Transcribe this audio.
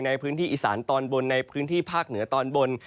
ในพื้นที่อีสานตอนบนในพื้นที่ภาคเหนือตอนบน